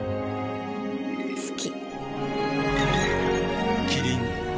好き。